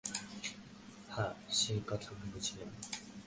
হাঁ, সে কথা ভুলেছিলেম।